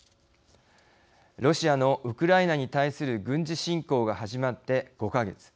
ロシアのウクライナに対する軍事侵攻が始まって５か月。